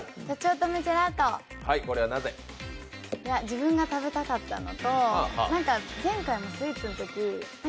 自分が食べたかったのと、前回もスイーツのとき